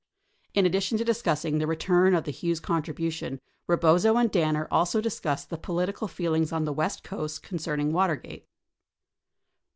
In addition to discussing the return of the Hughes contribu tion, Eebozo and Danner also discussed the (political feelings on the west coast concerning W atergate.